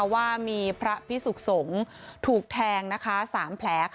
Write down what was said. ว่ามีพระพิสุขสงฆ์ถูกแทง๓แผล